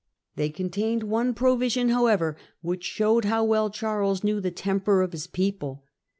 They contained one provision however which showed how well Charles knew the temper of his people.